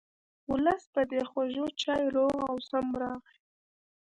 ولس په دې خوږو چایو روغ او سم راغی.